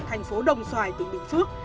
thành phố đồng xoài tỉnh bình phước